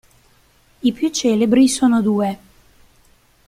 I più celebri sono due.